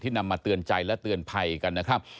นำมาเตือนใจและเตือนภัยกันนะครับ